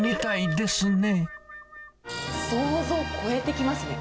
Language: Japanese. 想像を超えてきますね。